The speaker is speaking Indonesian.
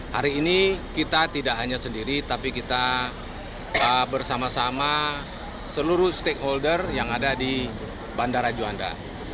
hari ini kita tidak hanya sendiri tapi kita bersama sama seluruh stakeholder yang ada di bandara juanda